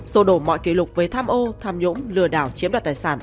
sổ đổ mọi kỷ lục với tham ô tham nhũng lừa đảo chiếm đoạt tài sản